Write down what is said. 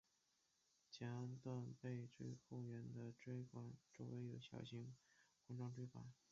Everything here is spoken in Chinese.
前段背椎后缘的椎管周围有小型环状椎版。